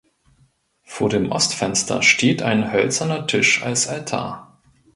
Vor dem Ostfenster steht ein hölzerner Tisch als Altar.